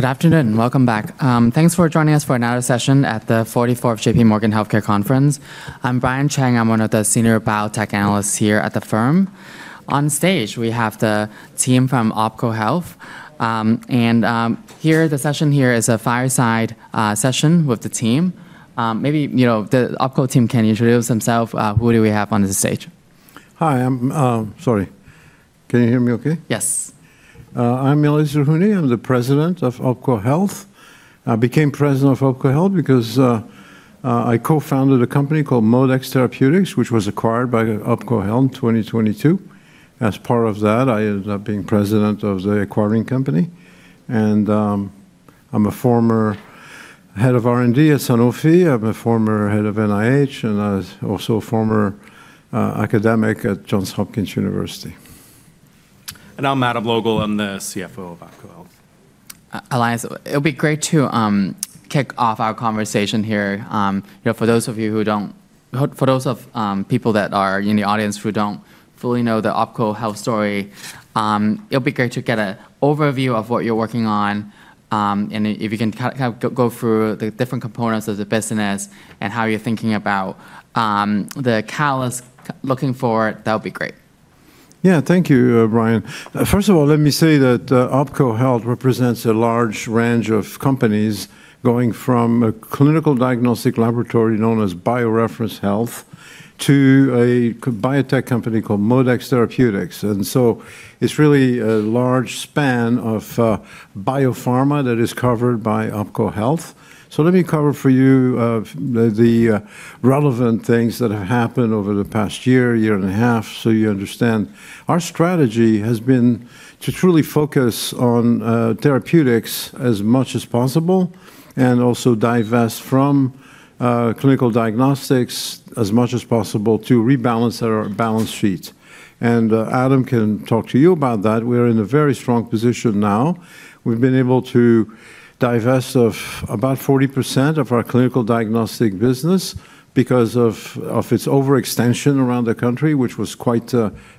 Good afternoon. Welcome back. Thanks for joining us for another session at the 44th J.P. Morgan Healthcare Conference. I'm Brian Cheng. I'm one of the senior biotech analysts here at the firm. On stage, we have the team from OPKO Health. And the session here is a fireside session with the team. Maybe the OPKO team can introduce themselves. Who do we have on this stage? Hi. Sorry. Can you hear me OK? Yes. I'm Elias Zerhouni. I'm the president of OPKO Health. I became president of OPKO Health because I co-founded a company called ModeX Therapeutics, which was acquired by OPKO Health in 2022. As part of that, I ended up being president of the acquiring company, and I'm a former head of R&D at Sanofi. I'm a former head of NIH, and I'm also a former academic at Johns Hopkins University. I'm Adam Logal. I'm the CFO of OPKO Health. Elias, it would be great to kick off our conversation here. For those people that are in the audience who don't fully know the OPKO Health story, it would be great to get an overview of what you're working on. If you can kind of go through the different components of the business and how you're thinking about the catalysts looking forward, that would be great. Yeah, thank you, Brian. First of all, let me say that OPKO Health represents a large range of companies going from a clinical diagnostic laboratory known as BioReference Health to a biotech company called ModeX Therapeutics. And so it's really a large span of biopharma that is covered by OPKO Health. So let me cover for you the relevant things that have happened over the past year, year and a half, so you understand. Our strategy has been to truly focus on therapeutics as much as possible and also divest from clinical diagnostics as much as possible to rebalance our balance sheet. And Adam can talk to you about that. We're in a very strong position now. We've been able to divest about 40% of our clinical diagnostic business because of its overextension around the country, which was quite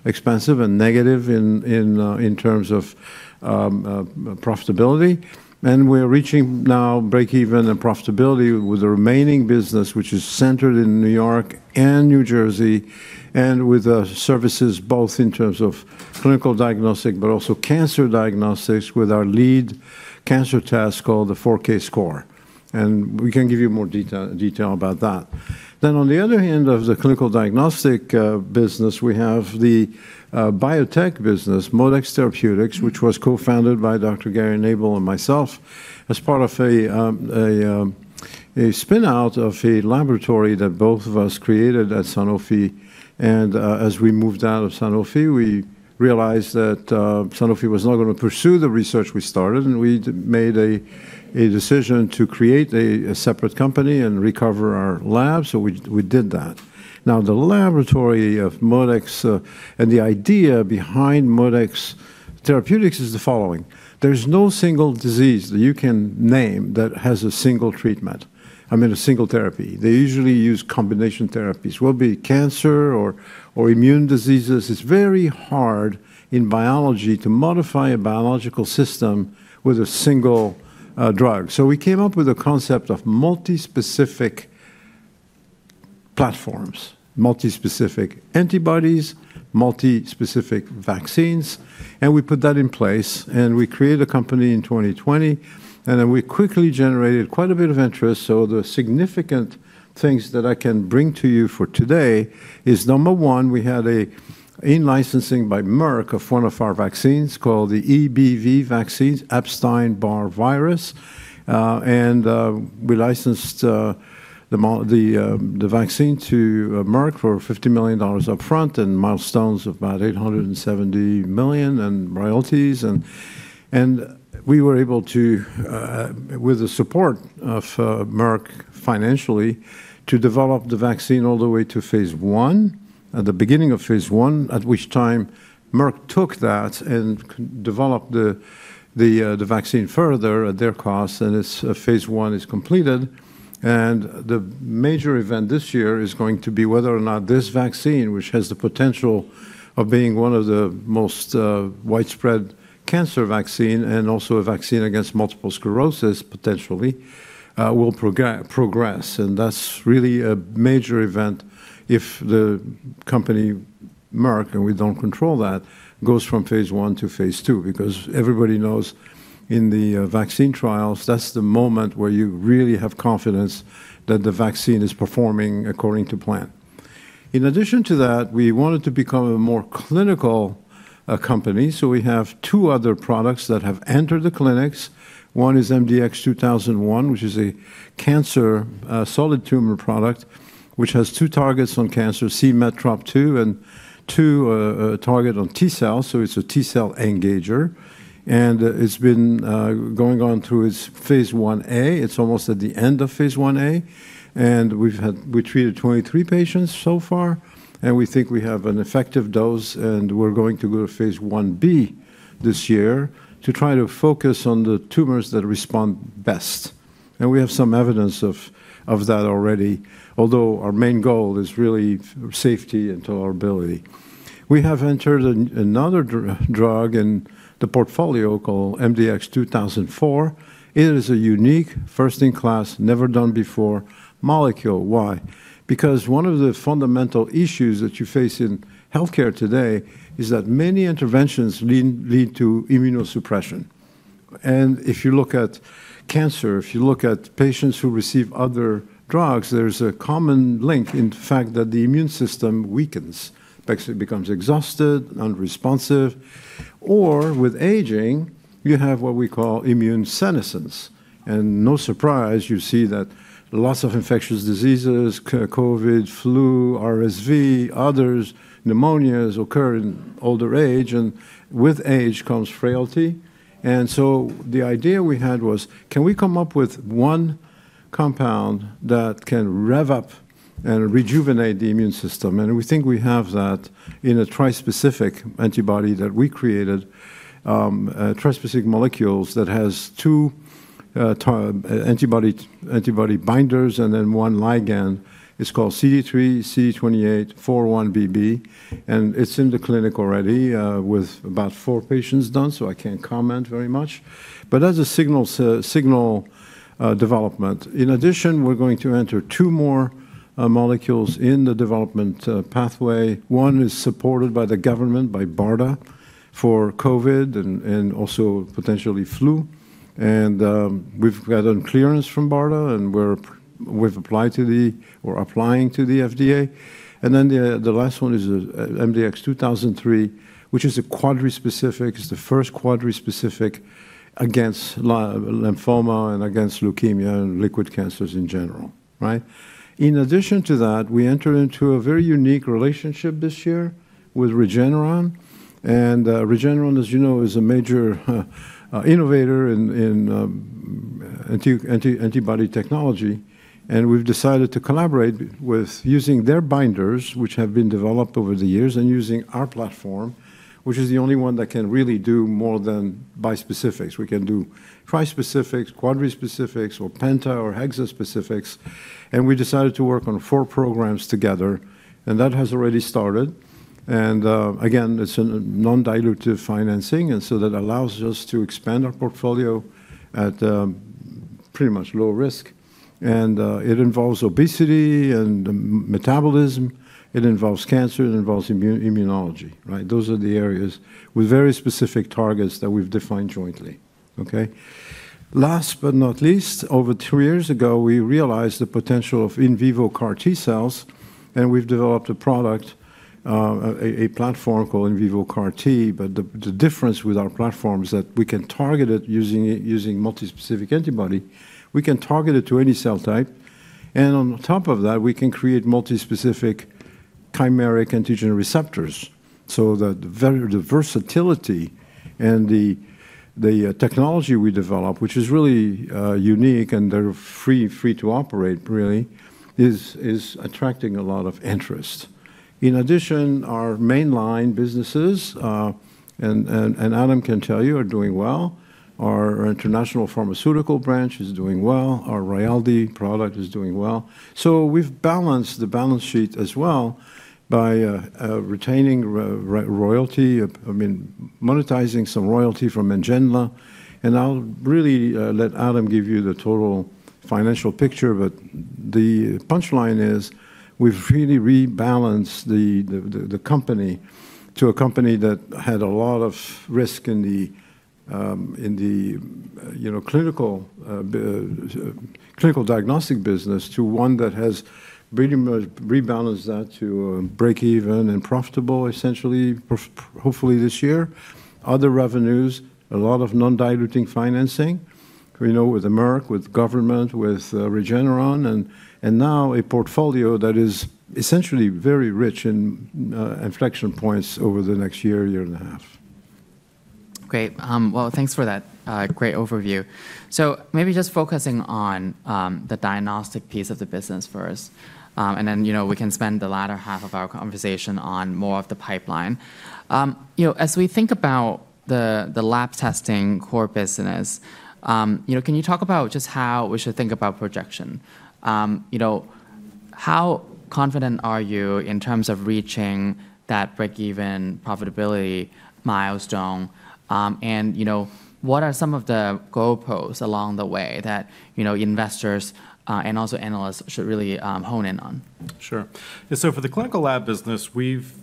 expensive and negative in terms of profitability. We're reaching now break-even and profitability with the remaining business, which is centered in New York and New Jersey, and with services both in terms of clinical diagnostic but also cancer diagnostics with our lead cancer test called the 4Kscore. We can give you more detail about that. On the other hand of the clinical diagnostic business, we have the biotech business, ModeX Therapeutics, which was co-founded by Dr. Gary Nabel and myself as part of a spinout of a laboratory that both of us created at Sanofi. As we moved out of Sanofi, we realized that Sanofi was not going to pursue the research we started. We made a decision to create a separate company and recover our lab. We did that. Now, the laboratory of ModeX and the idea behind ModeX Therapeutics is the following. There's no single disease that you can name that has a single treatment, I mean, a single therapy. They usually use combination therapies. Whether it be cancer or immune diseases, it's very hard in biology to modify a biological system with a single drug. So we came up with a concept of multi-specific platforms, multi-specific antibodies, multi-specific vaccines. And we put that in place. And we created a company in 2020. And then we quickly generated quite a bit of interest. So the significant things that I can bring to you for today is, number one, we had a licensing by Merck of one of our vaccines called the EBV vaccines, Epstein-Barr Virus. And we licensed the vaccine to Merck for $50 million upfront and milestones of about $870 million in royalties. And we were able to, with the support of Merck financially, develop the vaccine all the way to phase one, at the beginning of phase one, at which time Merck took that and developed the vaccine further at their cost. And phase one is completed. And the major event this year is going to be whether or not this vaccine, which has the potential of being one of the most widespread cancer vaccines and also a vaccine against multiple sclerosis, potentially, will progress. And that's really a major event if the company Merck, and we don't control that, goes from phase one to phase two. Because everybody knows in the vaccine trials, that's the moment where you really have confidence that the vaccine is performing according to plan. In addition to that, we wanted to become a more clinical company. We have two other products that have entered the clinics. One is MDX-2001, which is a cancer solid tumor product which has two targets on cancer, c-Met TROP2, and two targets on T-cells. So it's a T-cell engager. And it's been going on through its phase 1A. It's almost at the end of phase 1A. And we've treated 23 patients so far. And we think we have an effective dose. And we're going to go to phase 1B this year to try to focus on the tumors that respond best. And we have some evidence of that already, although our main goal is really safety and tolerability. We have entered another drug in the portfolio called MDX-2004. It is a unique, first-in-class, never done before molecule. Why? Because one of the fundamental issues that you face in health care today is that many interventions lead to immunosuppression. And if you look at cancer, if you look at patients who receive other drugs, there's a common link, in fact, that the immune system weakens, basically becomes exhausted, unresponsive. Or with aging, you have what we call immunosenescence. And no surprise, you see that lots of infectious diseases, COVID, flu, RSV, others, pneumonias occur in older age. And with age comes frailty. And so the idea we had was, can we come up with one compound that can rev up and rejuvenate the immune system? And we think we have that in a trispecific antibody that we created, trispecific molecules that have two antibody binders and then one ligand. It's called CD3 CD28 4-1BB. And it's in the clinic already with about four patients done. So I can't comment very much. But that's a signal development. In addition, we're going to enter two more molecules in the development pathway. One is supported by the government, by BARDA, for COVID and also potentially flu. And we've gotten clearance from BARDA. And we've applied to the or applying to the FDA. And then the last one is MDX-2003, which is a quadrispecific. It's the first quadrispecific against lymphoma and against leukemia and liquid cancers in general. In addition to that, we entered into a very unique relationship this year with Regeneron. And Regeneron, as you know, is a major innovator in antibody technology. And we've decided to collaborate with using their binders, which have been developed over the years, and using our platform, which is the only one that can really do more than bispecifics. We can do trispecifics, quadrispecifics, or penta or hexaspecifics. We decided to work on four programs together. That has already started. Again, it's a non-dilutive financing. That allows us to expand our portfolio at pretty much low risk. It involves obesity and metabolism. It involves cancer. It involves immunology. Those are the areas with very specific targets that we've defined jointly. Last but not least, over two years ago, we realized the potential of in vivo CAR T cells. We've developed a product, a platform called in vivo CAR T. The difference with our platform is that we can target it using multi-specific antibody. We can target it to any cell type. On top of that, we can create multi-specific chimeric antigen receptors. The versatility and the technology we develop, which is really unique and they're free to operate, really, is attracting a lot of interest. In addition, our main line businesses, and Adam can tell you, are doing well. Our international pharmaceutical branch is doing well. Our Rayaldee product is doing well. So we've balanced the balance sheet as well by retaining royalty, I mean, monetizing some royalty from NGENLA. And I'll really let Adam give you the total financial picture. But the punchline is we've really rebalanced the company to a company that had a lot of risk in the clinical diagnostic business to one that has pretty much rebalanced that to break-even and profitable, essentially, hopefully this year. Other revenues, a lot of non-diluting financing with Merck, with government, with Regeneron. And now a portfolio that is essentially very rich in inflection points over the next year, year and a half. Great. Well, thanks for that great overview. So maybe just focusing on the diagnostic piece of the business first. And then we can spend the latter half of our conversation on more of the pipeline. As we think about the lab testing core business, can you talk about just how we should think about projection? How confident are you in terms of reaching that break-even profitability milestone? And what are some of the goalposts along the way that investors and also analysts should really hone in on? Sure. So for the clinical lab business, we've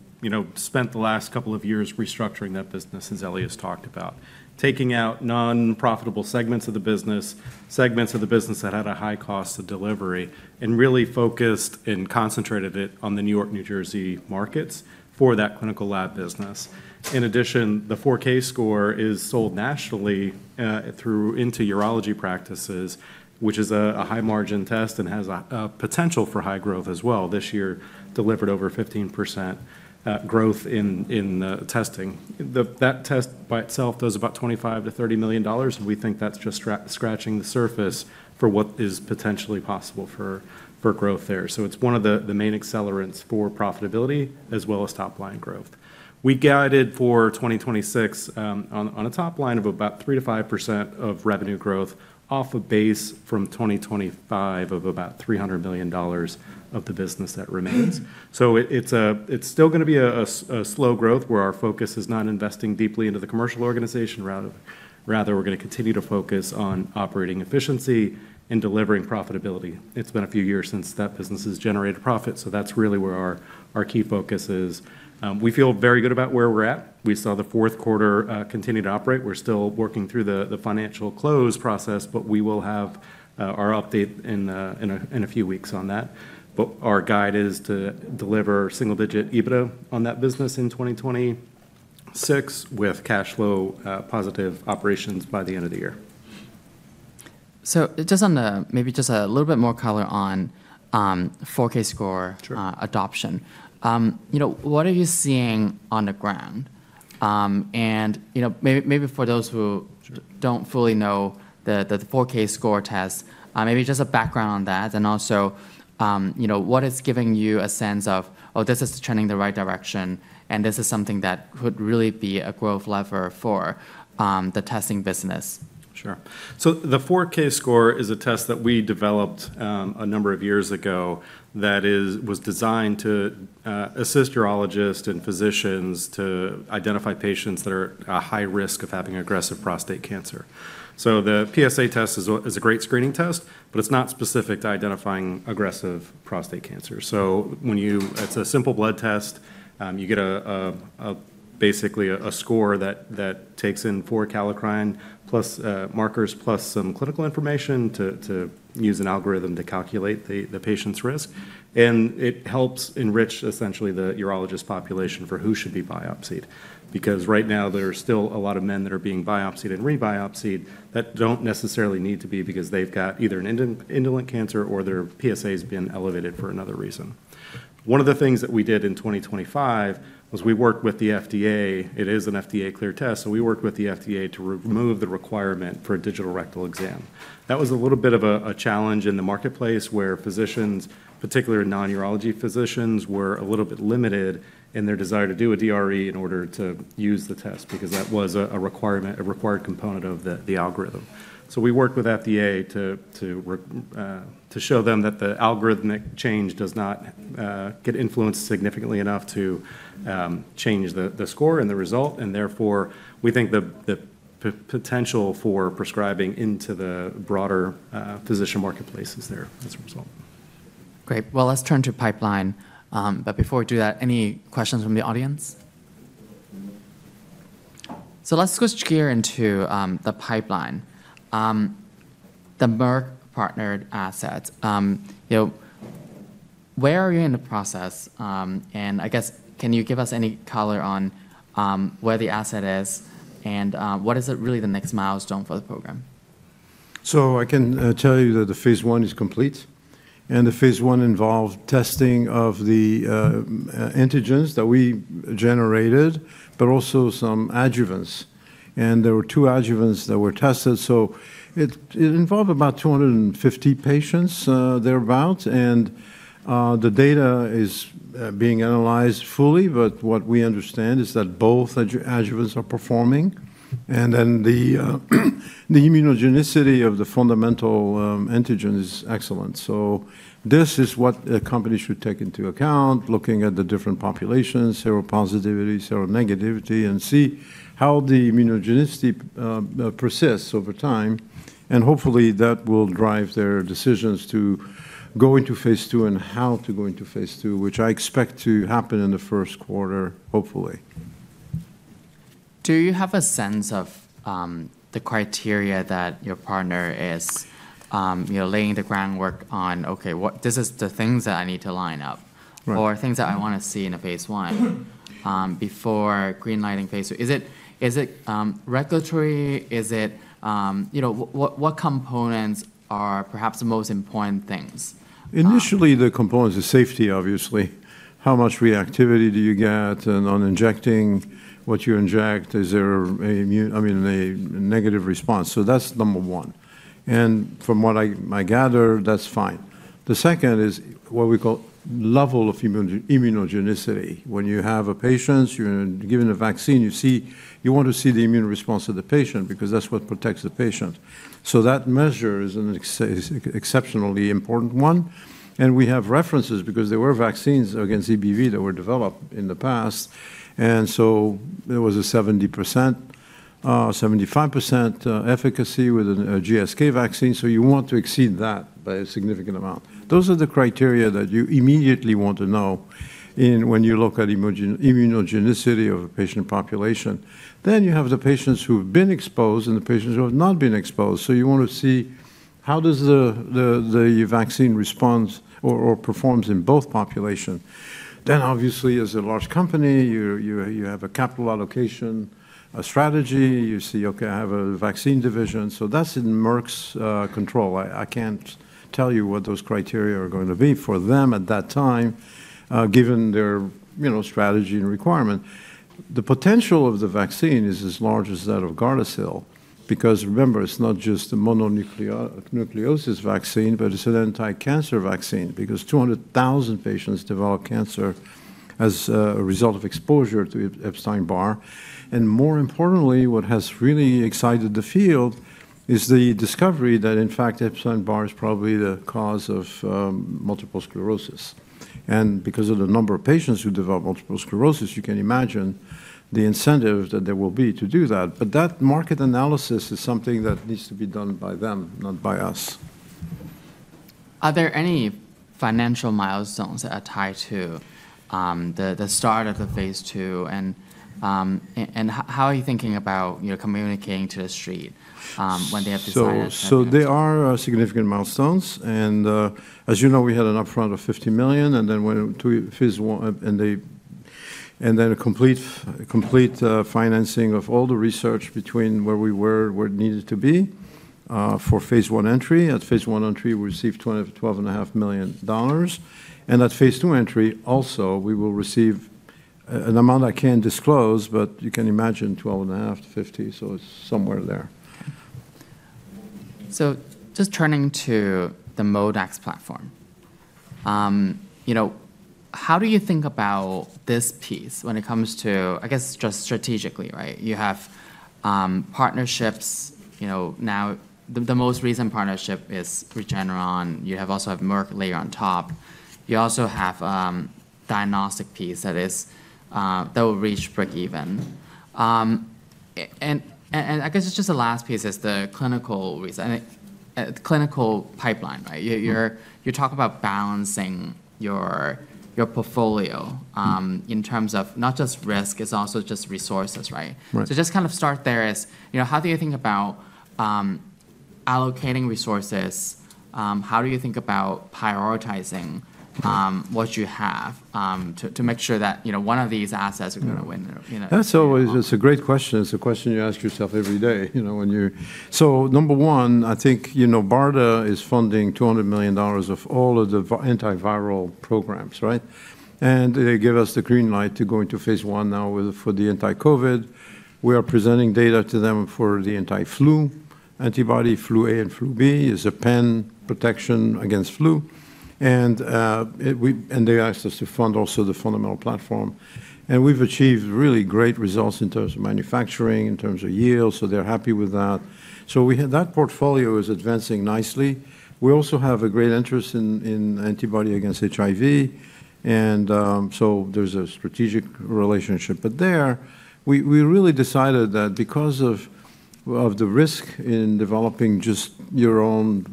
spent the last couple of years restructuring that business, as Elias talked about, taking out nonprofitable segments of the business, segments of the business that had a high cost of delivery, and really focused and concentrated it on the New York, New Jersey markets for that clinical lab business. In addition, the 4Kscore is sold nationally through into urology practices, which is a high-margin test and has a potential for high growth as well. This year, delivered over 15% growth in testing. That test by itself does about $25-$30 million. And we think that's just scratching the surface for what is potentially possible for growth there. So it's one of the main accelerants for profitability as well as top-line growth. We guided for 2026 on a top line of about 3%-5% of revenue growth off a base from 2025 of about $300 million of the business that remains. So it's still going to be a slow growth where our focus is not investing deeply into the commercial organization. Rather, we're going to continue to focus on operating efficiency and delivering profitability. It's been a few years since that business has generated profit. So that's really where our key focus is. We feel very good about where we're at. We saw the fourth quarter continue to operate. We're still working through the financial close process. But we will have our update in a few weeks on that. But our guide is to deliver single-digit EBITDA on that business in 2026 with cash flow positive operations by the end of the year. So maybe just a little bit more color on 4Kscore adoption. What are you seeing on the ground? And maybe for those who don't fully know the 4Kscore test, maybe just a background on that and also what is giving you a sense of, oh, this is trending the right direction. And this is something that could really be a growth lever for the testing business. Sure. The 4Kscore is a test that we developed a number of years ago that was designed to assist urologists and physicians to identify patients that are at a high risk of having aggressive prostate cancer. The PSA test is a great screening test. But it's not specific to identifying aggressive prostate cancer. It's a simple blood test. You get basically a score that takes in four kallikrein markers plus some clinical information to use an algorithm to calculate the patient's risk. It helps enrich, essentially, the urologist population for who should be biopsied. Because right now, there are still a lot of men that are being biopsied and re-biopsied that don't necessarily need to be because they've got either an indolent cancer or their PSA has been elevated for another reason. One of the things that we did in 2025 was we worked with the FDA. It is an FDA-cleared test. So we worked with the FDA to remove the requirement for a digital rectal exam. That was a little bit of a challenge in the marketplace where physicians, particularly non-urology physicians, were a little bit limited in their desire to do a DRE in order to use the test because that was a required component of the algorithm. So we worked with FDA to show them that the algorithmic change does not get influenced significantly enough to change the score and the result, and therefore, we think the potential for prescribing into the broader physician marketplace is there as a result. Great. Well, let's turn to pipeline. But before we do that, any questions from the audience? So let's switch gear into the pipeline, the Merck partnered assets. Where are you in the process? And I guess, can you give us any color on where the asset is? And what is really the next milestone for the program? So I can tell you that the phase one is complete. And the phase one involved testing of the antigens that we generated, but also some adjuvants. And there were two adjuvants that were tested. So it involved about 250 patients thereabouts. And the data is being analyzed fully. But what we understand is that both adjuvants are performing. And then the immunogenicity of the fundamental antigen is excellent. So this is what a company should take into account, looking at the different populations, seropositivity, seronegativity, and see how the immunogenicity persists over time. And hopefully, that will drive their decisions to go into phase two and how to go into phase two, which I expect to happen in the first quarter, hopefully. Do you have a sense of the criteria that your partner is laying the groundwork on? OK, this is the things that I need to line up or things that I want to see in a phase one before greenlighting phase two. Is it regulatory? What components are perhaps the most important things? Initially, the components are safety, obviously. How much reactivity do you get? And on injecting what you inject, is there a negative response? So that's number one, and from what I gather, that's fine. The second is what we call level of immunogenicity. When you have a patient, you're given a vaccine, you want to see the immune response of the patient because that's what protects the patient, so that measure is an exceptionally important one, and we have references because there were vaccines against EBV that were developed in the past, and so there was a 70%-75% efficacy with a GSK vaccine, so you want to exceed that by a significant amount. Those are the criteria that you immediately want to know when you look at immunogenicity of a patient population, then you have the patients who have been exposed and the patients who have not been exposed. So you want to see how does the vaccine respond or perform in both populations. Then obviously, as a large company, you have a capital allocation, a strategy. You see, OK, I have a vaccine division. So that's in Merck's control. I can't tell you what those criteria are going to be for them at that time, given their strategy and requirement. The potential of the vaccine is as large as that of Gardasil. Because remember, it's not just a mononucleosis vaccine, but it's an anti-cancer vaccine because 200,000 patients develop cancer as a result of exposure to Epstein-Barr. And more importantly, what has really excited the field is the discovery that, in fact, Epstein-Barr is probably the cause of multiple sclerosis. And because of the number of patients who develop multiple sclerosis, you can imagine the incentive that there will be to do that. But that market analysis is something that needs to be done by them, not by us. Are there any financial milestones that are tied to the start of the phase two? And how are you thinking about communicating to the street when they have these milestones? There are significant milestones. As you know, we had an upfront of $50 million. Then a complete financing of all the research between where we were and where it needed to be for phase one entry. At phase one entry, we received $12.5 million. At phase two entry, also, we will receive an amount I can't disclose. You can imagine $12.5 million-$50 million. It's somewhere there. So just turning to the ModeX platform, how do you think about this piece when it comes to, I guess, just strategically? You have partnerships. Now, the most recent partnership is Regeneron. You also have Merck layer on top. You also have a diagnostic piece that will reach break-even. And I guess it's just the last piece is the clinical pipeline. You talk about balancing your portfolio in terms of not just risk. It's also just resources. So just kind of start there as how do you think about allocating resources? How do you think about prioritizing what you have to make sure that one of these assets is going to win? That's always a great question. It's a question you ask yourself every day, so number one, I think BARDA is funding $200 million of all of the antiviral programs, and they give us the green light to go into phase one now for the anti-COVID. We are presenting data to them for the anti-flu antibody, Flu A and Flu B. It's a pan protection against flu, and they asked us to fund also the fundamental platform, and we've achieved really great results in terms of manufacturing, in terms of yield, so they're happy with that, so that portfolio is advancing nicely. We also have a great interest in antibody against HIV, and so there's a strategic relationship, but there, we really decided that because of the risk in developing just your own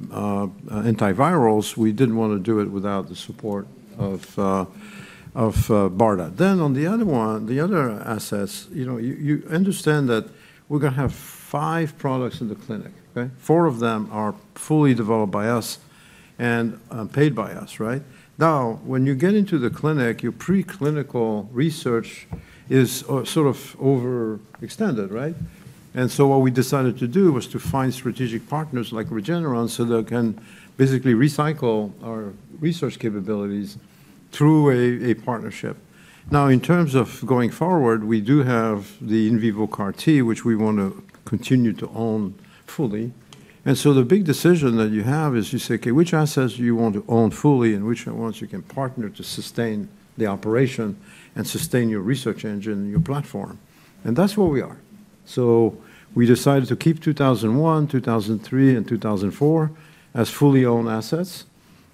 antivirals, we didn't want to do it without the support of BARDA. Then on the other one, the other assets, you understand that we're going to have five products in the clinic. Four of them are fully developed by us and paid by us. Now, when you get into the clinic, your preclinical research is sort of overextended. And so what we decided to do was to find strategic partners like Regeneron so they can basically recycle our research capabilities through a partnership. Now, in terms of going forward, we do have the in vivo CAR-T, which we want to continue to own fully. And so the big decision that you have is you say, OK, which assets do you want to own fully and which ones you can partner to sustain the operation and sustain your research engine and your platform? And that's where we are. So we decided to keep 2001, 2003, and 2004 as fully owned assets.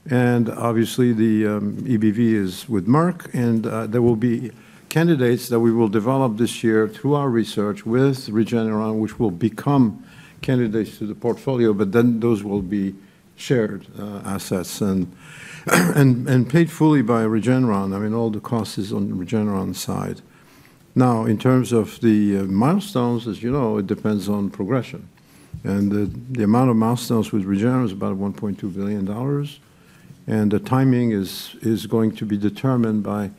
And obviously, the EBV is with Merck. And there will be candidates that we will develop this year through our research with Regeneron, which will become candidates to the portfolio. But then those will be shared assets and paid fully by Regeneron. I mean, all the cost is on Regeneron's side. Now, in terms of the milestones, as you know, it depends on progression. And the amount of milestones with Regeneron is about $1.2 billion. And the timing is going to be determined by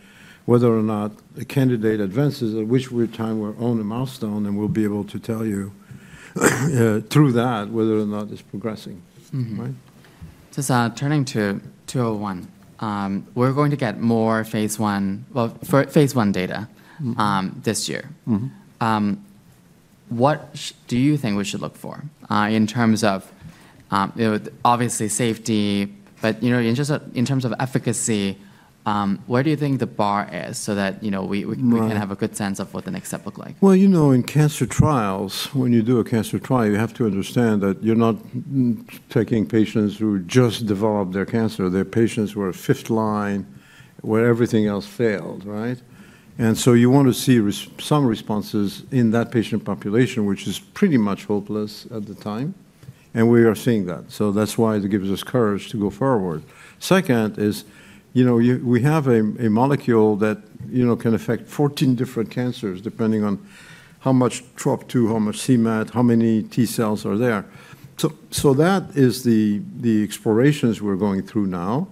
whether or not a candidate advances, at which time we'll own a milestone. And we'll be able to tell you through that whether or not it's progressing. So turning to 2001, we're going to get more phase 1 data this year. What do you think we should look for in terms of obviously safety, but in terms of efficacy? Where do you think the bar is so that we can have a good sense of what the next step looks like? Well, you know in cancer trials, when you do a cancer trial, you have to understand that you're not taking patients who just developed their cancer. They're patients who are fifth-line where everything else failed. And so you want to see some responses in that patient population, which is pretty much hopeless at the time. And we are seeing that. So that's why it gives us courage to go forward. Second is we have a molecule that can affect 14 different cancers depending on how much TROP2, how much c-Met, how many T cells are there. So that is the explorations we're going through now.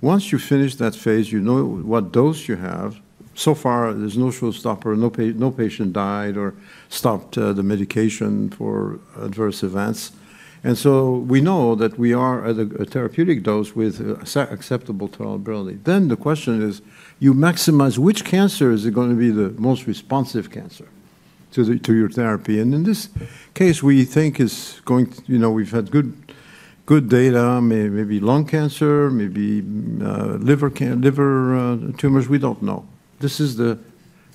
Once you finish that phase, you know what dose you have. So far, there's no showstopper or no patient died or stopped the medication for adverse events. And so we know that we are at a therapeutic dose with acceptable tolerability. Then the question is, you maximize which cancer is going to be the most responsive cancer to your therapy? And in this case, we think it's going to. We've had good data, maybe lung cancer, maybe liver tumors. We don't know. This is the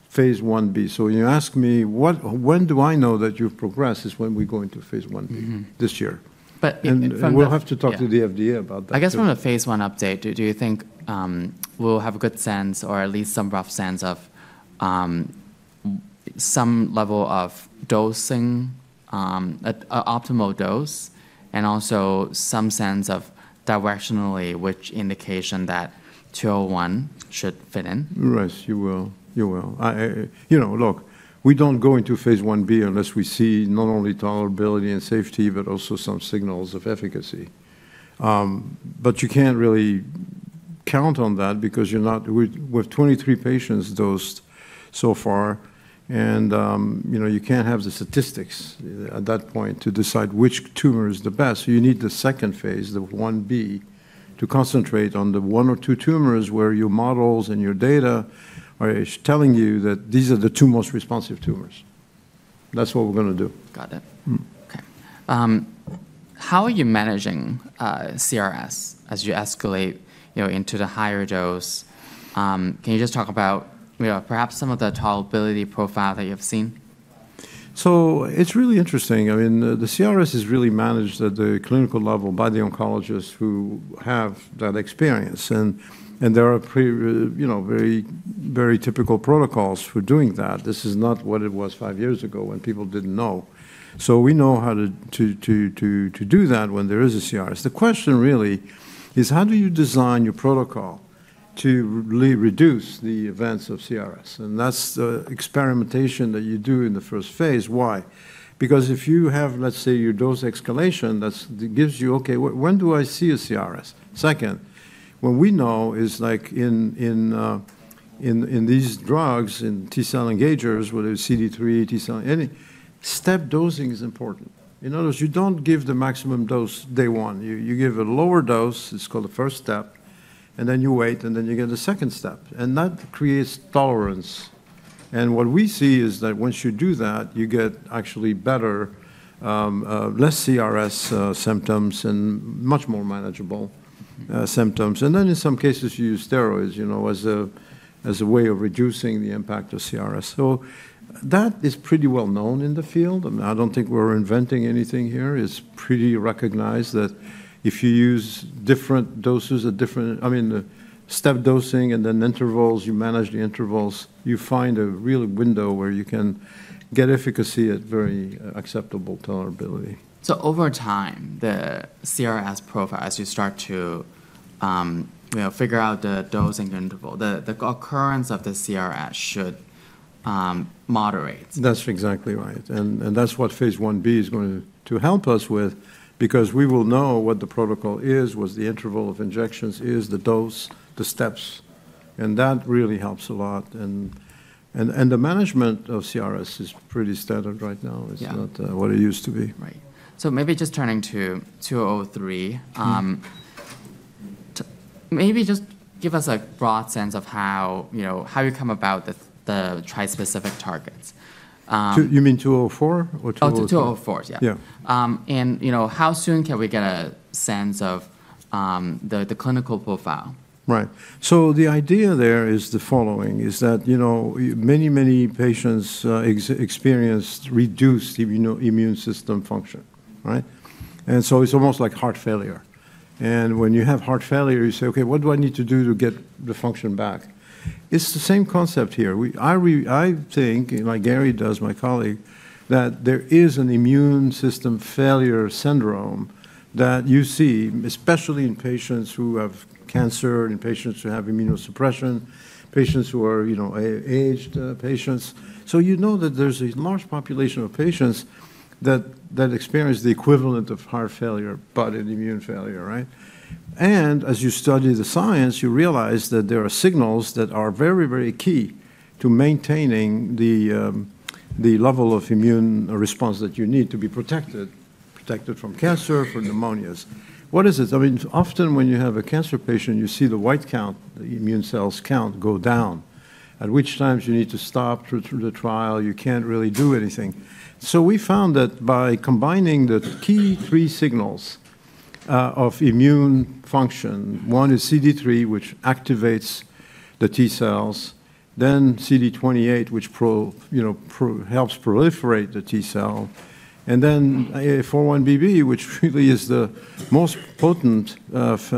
phase 1b. So when you ask me when do I know that you've progressed is when we go into phase 1b this year, and we'll have to talk to the FDA about that. I guess from a phase 1 update, do you think we'll have a good sense or at least some rough sense of some level of dosing, optimal dose, and also some sense of directionally, which indication that 2001 should fit in? Right. You will. You will. Look, we don't go into phase 1B unless we see not only tolerability and safety, but also some signals of efficacy. But you can't really count on that because we have 23 patients dosed so far. And you can't have the statistics at that point to decide which tumor is the best. So you need the second phase, the 1B, to concentrate on the one or two tumors where your models and your data are telling you that these are the two most responsive tumors. That's what we're going to do. Got it. OK. How are you managing CRS as you escalate into the higher dose? Can you just talk about perhaps some of the tolerability profile that you've seen? So it's really interesting. I mean, the CRS is really managed at the clinical level by the oncologists who have that experience. And there are very typical protocols for doing that. This is not what it was five years ago when people didn't know. So we know how to do that when there is a CRS. The question really is, how do you design your protocol to really reduce the events of CRS? And that's the experimentation that you do in the first phase. Why? Because if you have, let's say, your dose escalation, that gives you, OK, when do I see a CRS? Second, what we know is like in these drugs, in T-cell engagers, whether it's CD3, T-cell, any step dosing is important. In other words, you don't give the maximum dose day one. You give a lower dose. It's called the first step. And then you wait. And then you get a second step. And that creates tolerance. And what we see is that once you do that, you get actually better, less CRS symptoms and much more manageable symptoms. And then in some cases, you use steroids as a way of reducing the impact of CRS. So that is pretty well known in the field. I don't think we're inventing anything here. It's pretty recognized that if you use different doses at different, I mean, step dosing and then intervals, you manage the intervals, you find a real window where you can get efficacy at very acceptable tolerability. So over time, the CRS profile, as you start to figure out the dosing interval, the occurrence of the CRS should moderate. That's exactly right. And that's what phase one B is going to help us with because we will know what the protocol is, what the interval of injections is, the dose, the steps. And that really helps a lot. And the management of CRS is pretty standard right now. It's not what it used to be. Right. So maybe just turning to 203, maybe just give us a broad sense of how you come about the trispecific targets. You mean 204 or 203? Oh, 204. Yeah, and how soon can we get a sense of the clinical profile? Right. So the idea there is the following, is that many, many patients experience reduced immune system function. And so it's almost like heart failure. And when you have heart failure, you say, OK, what do I need to do to get the function back? It's the same concept here. I think, like Gary does, my colleague, that there is an immune system failure syndrome that you see, especially in patients who have cancer, in patients who have immunosuppression, patients who are aged patients. So you know that there's a large population of patients that experience the equivalent of heart failure but an immune failure. And as you study the science, you realize that there are signals that are very, very key to maintaining the level of immune response that you need to be protected from cancer, from pneumonias. What is it? I mean, often when you have a cancer patient, you see the white count, the immune cells count go down, at which times you need to stop the trial. You can't really do anything. So we found that by combining the key three signals of immune function, one is CD3, which activates the T-cells, then CD28, which helps proliferate the T-cell, and then 4-1BB, which really is the most potent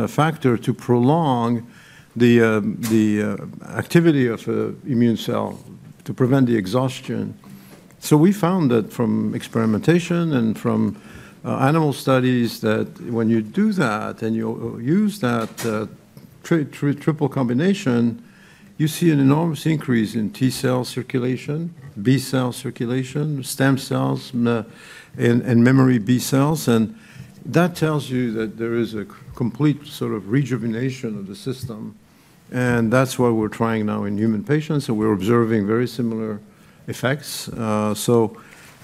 factor to prolong the activity of immune cell to prevent the exhaustion. So we found that from experimentation and from animal studies that when you do that and you use that triple combination, you see an enormous increase in T-cell circulation, B-cell circulation, stem cells, and memory B-cells. That tells you that there is a complete sort of rejuvenation of the system. That's what we're trying now in human patients. And we're observing very similar effects. So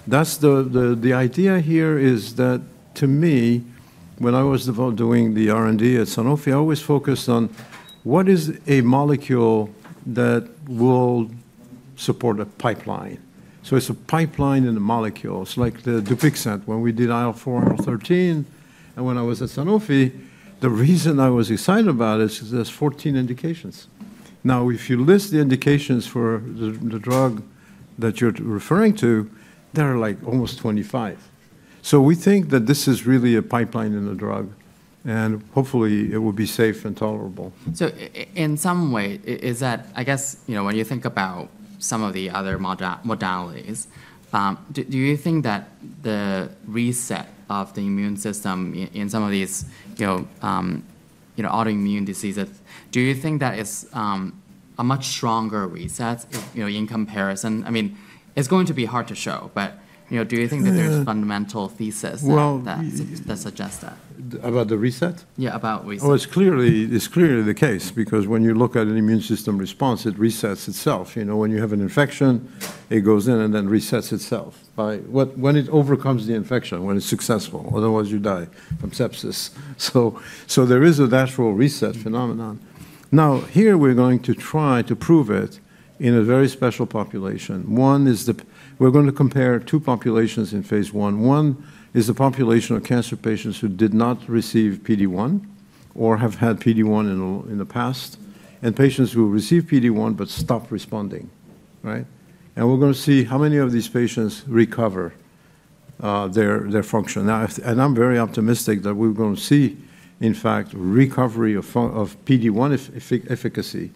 the idea here is that to me, when I was doing the R&D at Sanofi, I always focused on what is a molecule that will support a pipeline. So it's a pipeline in the molecules. It's like the Dupixent when we did IL-4, IL-13. And when I was at Sanofi, the reason I was excited about it is there's 14 indications. Now, if you list the indications for the drug that you're referring to, there are like almost 25. So we think that this is really a pipeline in the drug. And hopefully, it will be safe and tolerable. So in some way, is that, I guess, when you think about some of the other modalities, do you think that the reset of the immune system in some of these autoimmune diseases, do you think that is a much stronger reset in comparison? I mean, it's going to be hard to show. But do you think that there's a fundamental thesis that suggests that? About the reset? Yeah, about reset. It's clearly the case because when you look at an immune system response, it resets itself. When you have an infection, it goes in and then resets itself when it overcomes the infection, when it's successful. Otherwise, you die from sepsis. So there is a natural reset phenomenon. Now, here we're going to try to prove it in a very special population. We're going to compare two populations in phase one. One is a population of cancer patients who did not receive PD-1 or have had PD-1 in the past and patients who received PD-1 but stopped responding, and we're going to see how many of these patients recover their function, and I'm very optimistic that we're going to see, in fact, recovery of PD-1 efficacy.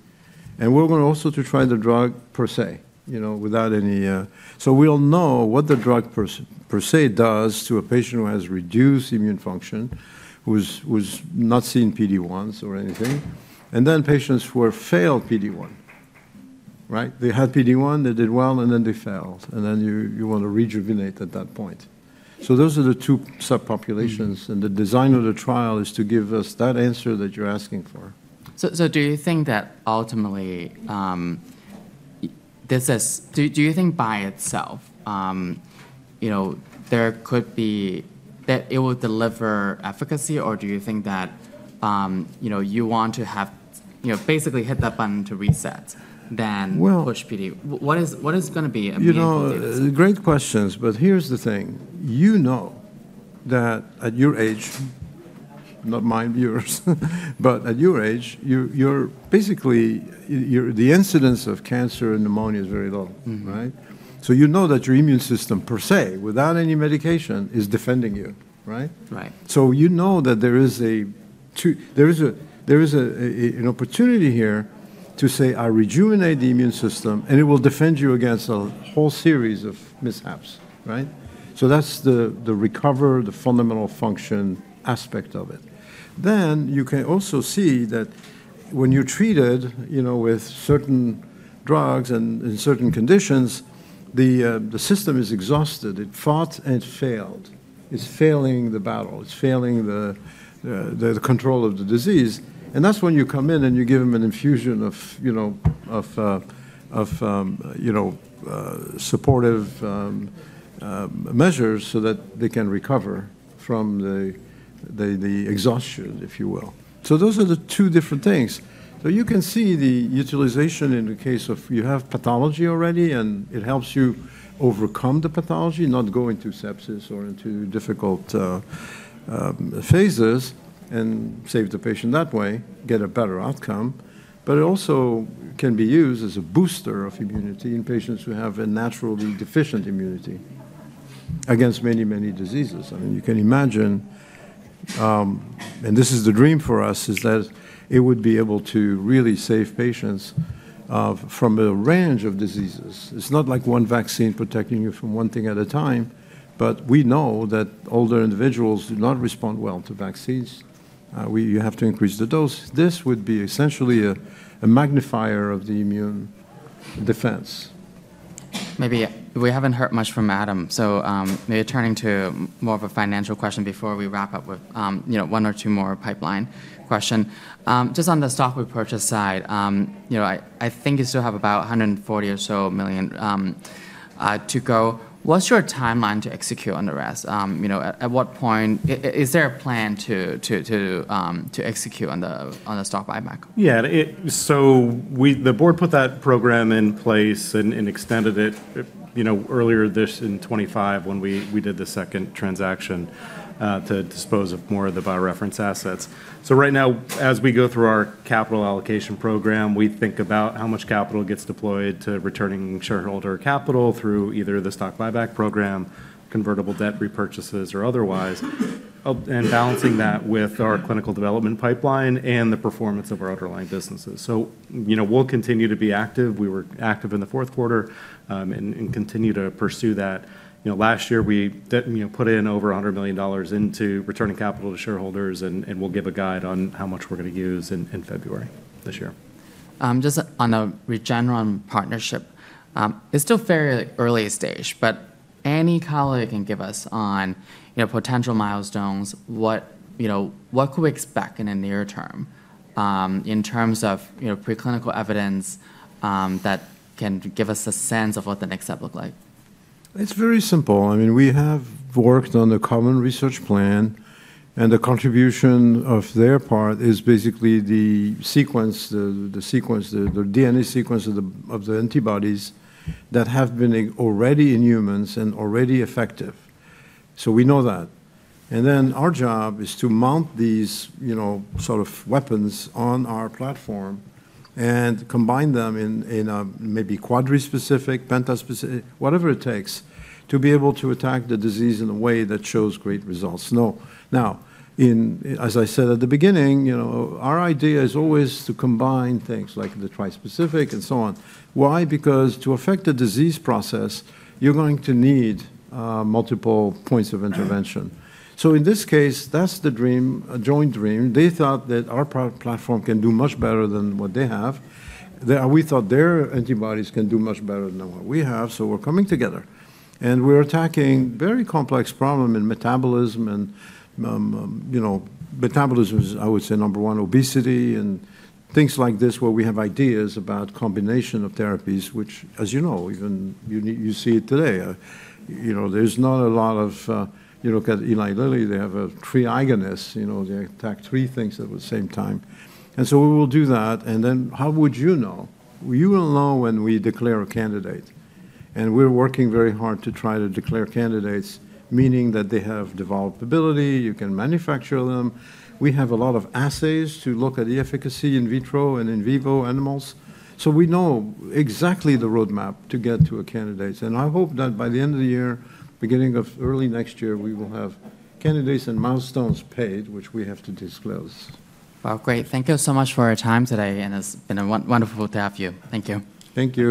And we're going to also try the drug per se without any, so we'll know what the drug per se does to a patient who has reduced immune function, who's not seen PD-1s or anything, and then patients who have failed PD-1. They had PD-1. They did well. And then they failed. And then you want to rejuvenate at that point. So those are the two subpopulations. And the design of the trial is to give us that answer that you're asking for. So do you think that ultimately by itself there could be that it will deliver efficacy? Or do you think that you want to have basically hit that button to reset then push PD? What is going to be immune-. Great questions. But here's the thing. You know that at your age, not mine, viewers, but at your age, basically, the incidence of cancer and pneumonia is very low. So you know that your immune system per se, without any medication, is defending you. So you know that there is an opportunity here to say, I rejuvenate the immune system. And it will defend you against a whole series of mishaps. So that's the recovery, the fundamental function aspect of it. Then you can also see that when you're treated with certain drugs and in certain conditions, the system is exhausted. It fought and it failed. It's failing the battle. It's failing the control of the disease. And that's when you come in and you give them an infusion of supportive measures so that they can recover from the exhaustion, if you will. So those are the two different things. So you can see the utilization in the case of you have pathology already. And it helps you overcome the pathology, not go into sepsis or into difficult phases and save the patient that way, get a better outcome. But it also can be used as a booster of immunity in patients who have a naturally deficient immunity against many, many diseases. I mean, you can imagine, and this is the dream for us, is that it would be able to really save patients from a range of diseases. It's not like one vaccine protecting you from one thing at a time. But we know that older individuals do not respond well to vaccines. You have to increase the dose. This would be essentially a magnifier of the immune defense. Maybe we haven't heard much from Adam. So maybe turning to more of a financial question before we wrap up with one or two more pipeline questions. Just on the stock repurchase side, I think you still have about $140 million to go. What's your timeline to execute on the rest? At what point is there a plan to execute on the stock buyback? Yeah. So the board put that program in place and extended it earlier this in 2025 when we did the second transaction to dispose of more of the BioReference assets. So right now, as we go through our capital allocation program, we think about how much capital gets deployed to returning shareholder capital through either the stock buyback program, convertible debt repurchases, or otherwise, and balancing that with our clinical development pipeline and the performance of our underlying businesses. So we'll continue to be active. We were active in the fourth quarter and continue to pursue that. Last year, we put in over $100 million into returning capital to shareholders. And we'll give a guide on how much we're going to use in February this year. Just on the Regeneron partnership, it's still fairly early stage. But any color you can give us on potential milestones, what can we expect in the near term in terms of preclinical evidence that can give us a sense of what the next step looks like? It's very simple. I mean, we have worked on the common research plan, and the contribution of their part is basically the sequence, the DNA sequence of the antibodies that have been already in humans and already effective. So we know that, and then our job is to mount these sort of weapons on our platform and combine them in a maybe quadrispecific, pentaspecific, whatever it takes to be able to attack the disease in a way that shows great results. Now, as I said at the beginning, our idea is always to combine things like the trispecific and so on. Why? Because to affect the disease process, you're going to need multiple points of intervention. So in this case, that's the dream, a joint dream. They thought that our platform can do much better than what they have. We thought their antibodies can do much better than what we have, so we're coming together and we're attacking a very complex problem in metabolism, and metabolism is, I would say, number one, obesity and things like this where we have ideas about combination of therapies, which, as you know, you see it today. There's not a lot. Look at Eli Lilly. They have a triagonist. They attack three things at the same time, and so we will do that, then how would you know? You will know when we declare a candidate, and we're working very hard to try to declare candidates, meaning that they have developed ability. You can manufacture them. We have a lot of assays to look at the efficacy in vitro and in vivo animals, so we know exactly the roadmap to get to a candidate. I hope that by the end of the year, beginning of early next year, we will have candidates and milestones paid, which we have to disclose. Great. Thank you so much for your time today. It's been wonderful to have you. Thank you. Thank you.